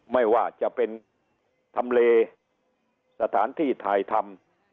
ไม่ว่าจะเป็นทำเลสถานที่ถ่ายทำ